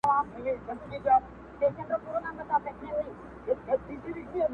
جنازې دي د بګړیو هدیرې دي چي ډکیږي!.